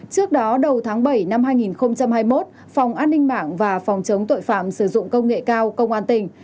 trước đó đầu tháng bảy năm hai nghìn hai mươi một phòng an ninh mạng và phòng chống tội phạm sử dụng công nghệ cao công an tỉnh